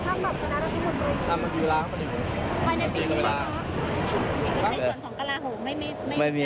ไม่มีไม่มีไม่มี